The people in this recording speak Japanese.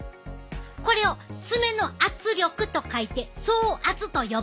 これを爪の圧力と書いて爪圧と呼ぶ。